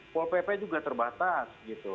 pol pp juga terbatas